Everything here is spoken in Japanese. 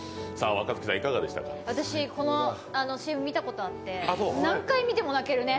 私このＣＭ見たことがあって何回見ても泣けるね。